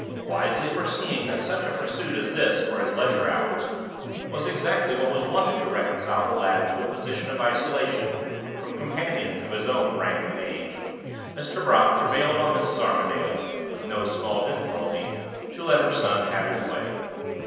Wisely foreseeing that such a pursuit as this for his leisure hours was exactly what was wanted to reconcile the lad to a position of isolation from companions of his own rank and age, Mr. Brock prevailed on Mrs. Armadale, with no small difficulty, to let her son have his way.